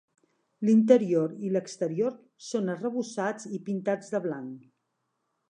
L'interior i l'exterior són arrebossats i pintats de blanc.